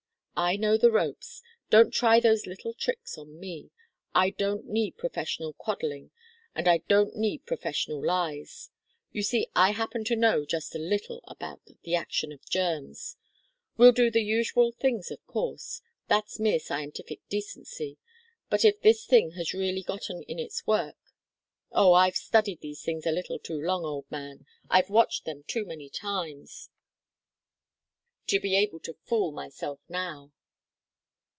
I know the ropes. Don't try those little tricks on me. I don't need professional coddling, and I don't need professional lies. You see I happen to know just a little about the action of germs. We'll do the usual things, of course that's mere scientific decency, but if this thing has really gotten in its work oh I've studied these things a little too long, old man, I've watched them too many times, to be able to fool myself now."